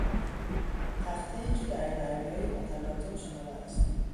تختهای که در دریای متلاطم شناور است